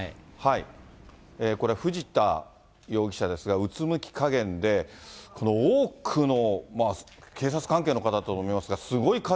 これ、藤田容疑者ですが、うつむき加減で、この多くの警察関係の方と思いますが、すごい数。